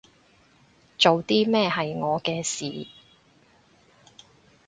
做啲咩係我嘅事